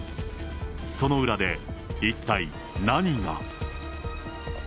その裏で一体何が。